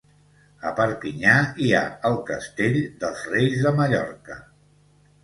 A Perpinyà hi ha el Castell dels Reis de Mallorca